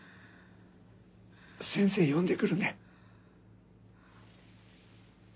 先生呼んで来るね。